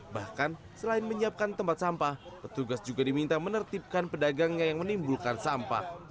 bahkan selain menyiapkan tempat sampah petugas juga diminta menertibkan pedagangnya yang menimbulkan sampah